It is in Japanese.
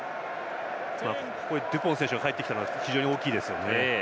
デュポン選手が帰ってきたのが非常に大きいです。